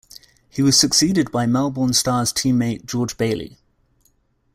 He was succeeded by Melbourne Stars teammate George Bailey.